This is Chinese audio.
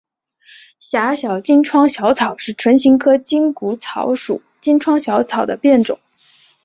狭叶金疮小草是唇形科筋骨草属金疮小草的变种。